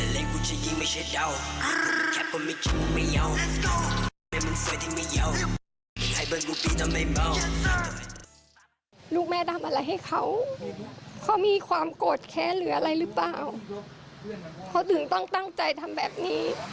ลูกแม่ทำอะไรให้เขาเขามีความโกรธแค้นหรืออะไรหรือเปล่าเขาถึงต้องตั้งใจทำแบบนี้